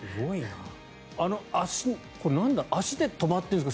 あの足足で止まってるんですか？